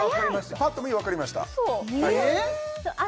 パッと見で分かりましたえっ！？